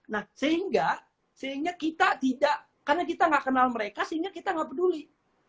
nah sehingga kita tidak karena kita nggak kenal mereka sehingga kita nggak peduli